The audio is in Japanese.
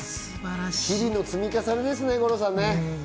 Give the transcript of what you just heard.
日々の積み重ねですね、五郎さん。